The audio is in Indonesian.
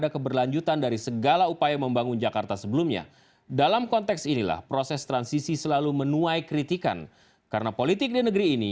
kebenaran pasti akan menang